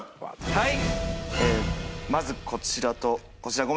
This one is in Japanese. はい。